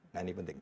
nah ini penting